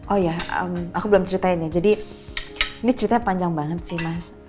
oh ya aku belum ceritain ya jadi ini ceritanya panjang banget sih mas